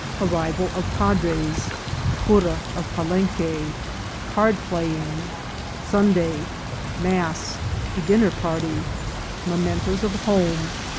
— Arrival of Padres. — Cura of Palenque. — Card Playing. — Sunday. — Mass. — A Dinner Party. — Mementoes of Home.